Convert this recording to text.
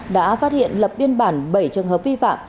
đã phát hiện lập biên bản bảy trường hợp vi phạm